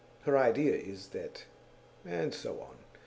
Her idea is, that" and so on.